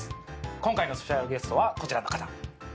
今回のシュペシャルゲストはこちらの方。